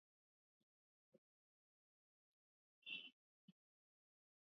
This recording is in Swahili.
kufundisha kwa Kiingereza Tarehe kumi na tano Februari elfumbili kumi na tano